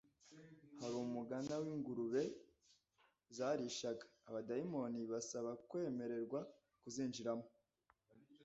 hari umugana w'ingurube zarishaga. Abadayimoni basaba kwemererwa kuzinjiramo,